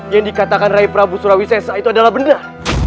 yang dikatakan rai prabu surawisesa itu adalah benar